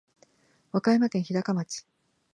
和歌山県日高町